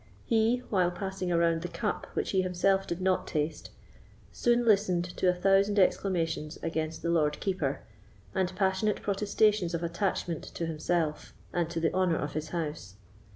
He, while passing around the cup which he himself did not taste, soon listened to a thousand exclamations against the Lord Keeper, and passionate protestations of attachment to himself, and to the honour of his house.